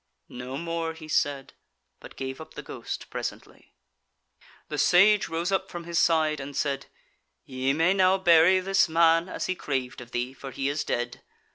No more he said, but gave up the ghost presently. The Sage rose up from his side and said: "Ye may now bury this man as he craved of thee, for he is dead.